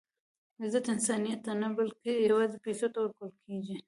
عزت انسانیت ته نه؛ بلکي یوازي پېسو ته ورکول کېږي.